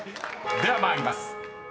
［では参ります］